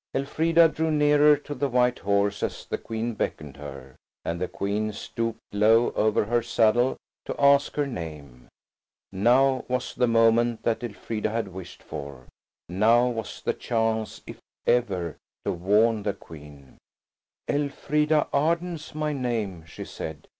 Elfrida drew nearer to the white horse as the Queen beckoned her, and the Queen stooped low over her saddle to ask her name. Now was the moment that Elfrida had wished for, now was the chance, if ever, to warn the Queen. "Elfrida Arden's my name," she said.